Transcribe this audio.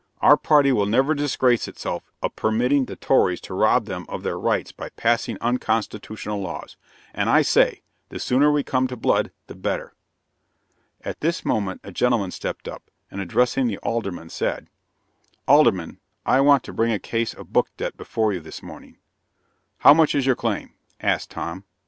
Our party will never disgrace itself a permitting the tories to rob them of their rights by passing unconstitutional laws; and I say, the sooner we come to blood, the better!" At this moment, a gentleman stepped up, and addressing the Alderman, said: "Alderman, I want to bring a case of book debt before you this morning." "How much is your claim?" asked Tom.